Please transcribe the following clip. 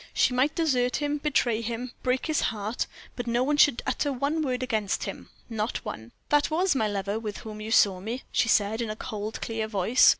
She might desert him, betray him, break his heart, but no one should utter one word against him not one. "That was my lover with whom you saw me," she said, in a cold, clear voice.